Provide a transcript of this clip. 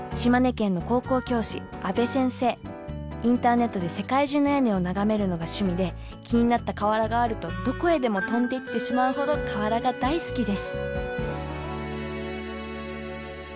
インターネットで世界中の屋根を眺めるのが趣味で気になった瓦があるとどこへでも飛んでいってしまうほど瓦が大好きです。